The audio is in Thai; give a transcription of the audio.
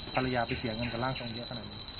ภรรยาไปเสียเงินกับร่างทรงเยอะขนาดนี้